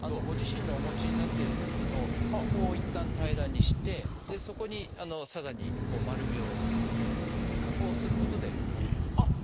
ご自身のお持ちになっている靴の底をいったん平らにしてそこにさらに丸みを帯びさせるので加工することで可能です。